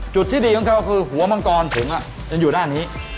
จุดที่ดีของเขาก็คือหัวมังกรผมจะอยู่ด้านนี้